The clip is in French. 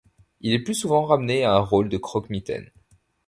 Il est plus souvent ramené à un rôle de croque-mitaine.